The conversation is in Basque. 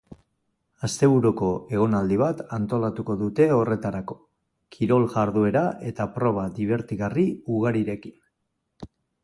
Asteburuko egonaldi bat antolatuko dute horretarako, kirol jarduera eta proba dibertigarri ugarirekin.